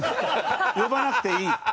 呼ばなくていい。